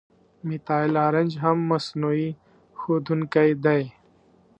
میتایل آرنج هم مصنوعي ښودونکی دی.